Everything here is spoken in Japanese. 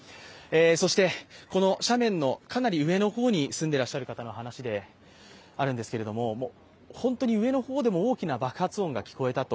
そして斜面のかなり上の方に住んでいる方の話ですが、本当に上の方でも大きな爆発音が聞こえたと。